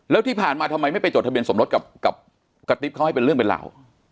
แล้วที่ผ่านมาทำไมไม่ไปจดทะเบียนสมรสกับกระติ๊บเขาให้เป็นเรื่องเป็นราว